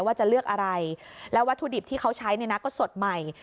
ว่าจะเลือกอะไรแล้ววัตถุดิบที่เขาใช้เนี่ยนะก็สดใหม่